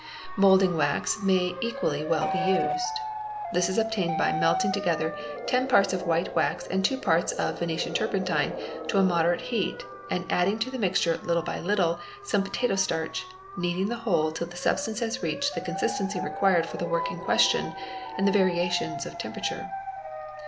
Moulding wax may equally well be used. This is obtained by meltir together 10 parts of white wax and two parts of venetian turpentine to moderate heat, and adding to the mixture little by little some potat eo el §—>'; SS "3 Pee , i . MOULDING AND STEREOTYPING 473 starch, kneading the whole till the substance has reached the consistency required for the work in question and the variations of temperature.